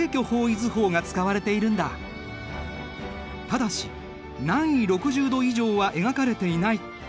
ただし南緯６０度以上は描かれていない。